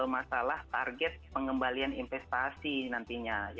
masalah target pengembalian investasi nantinya